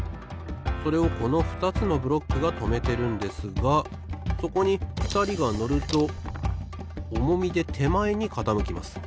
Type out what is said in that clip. それをこのふたつのブロックがとめてるんですがそこにふたりがのるとおもみでてまえにかたむきます。